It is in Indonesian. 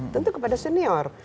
tentu kepada senior